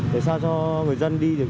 để sao cho người dân đi được